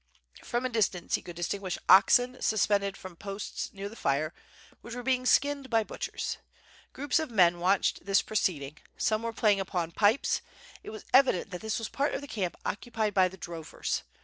From a dis tance he could distinguish oxen suspended from posts near the fire, which were being skinned by butchers. Groups of men wa'tched this proceeding; some were playing upon pipes; it was evident that this was the part of the camp occupied bv the drovers.